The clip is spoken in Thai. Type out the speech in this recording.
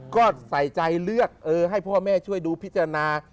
ก็ใส่ใจเลือกให้พ่อแม่ช่วยดูพิจารณา